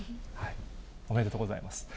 おめでとうございます。